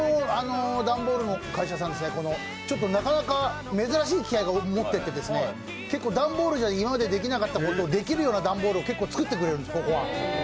こちらではちょっとなかなか珍しい機会を持っていて、結構、段ボールじゃ今までできなかったことをできるような段ボールを作ってくれるんです、ここは。